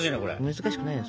難しくないよ